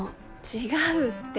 違うって。